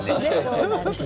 そうなんです